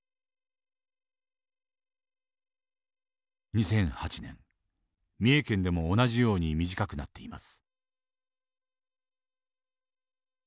２００８年三重県でも同じように短くなっています。